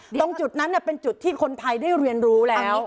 ตรงจุดนั้นเป็นจุดที่คนไทยได้เรียนรู้แล้ว